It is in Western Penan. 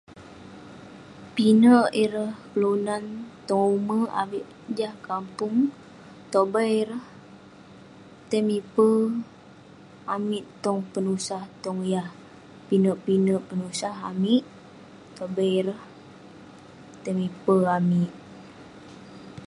Pinek ireh kelunan tong umek amik jah kampung tobai ireh tai mipei amik tong penusah tong yah pinek-pinek penusah amik tobai ireh tai mipei amik